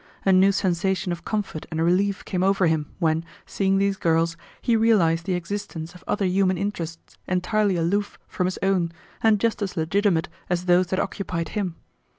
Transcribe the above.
A new sensation of comfort and relief came over him when, seeing these girls, he realized the existence of other human interests entirely aloof from his own and just as legitimate as those that occupied him.